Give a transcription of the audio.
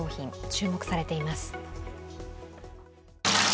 注目されています。